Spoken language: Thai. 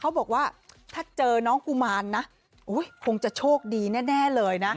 บอกว่าถ้าเจอน้องกุมารนะคงจะโชคดีแน่เลยนะ